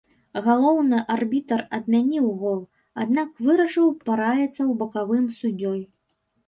Галоўны арбітр адмяніў гол, аднак вырашыў параіцца ў бакавым суддзёй.